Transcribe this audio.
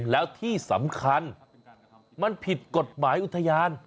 แล้วที่สำคัญมันผิดกฎหมายอุทยาน